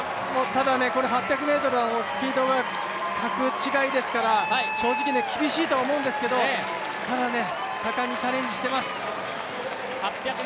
ただ、８００ｍはスピードが格違いですから正直、厳しいと思うんですけど、ただ、果敢にチャレンジしています。